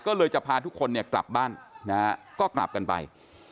ก็เลยจะพาทุกคนกลับบ้านก็กลับกันไป